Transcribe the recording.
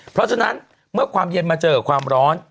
เพราะฉะนั้นเมื่อความเย็นมาเจอความร้อน